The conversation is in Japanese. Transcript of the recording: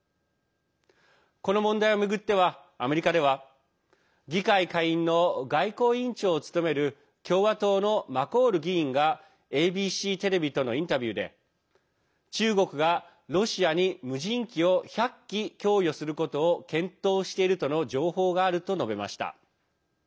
この問題を巡ってはアメリカでは議会下院の外交委員長を務める共和党のマコール議員がＡＢＣテレビとのインタビューで中国が、ロシアに無人機を１００機供与することを検討しているとの情報があると述べました。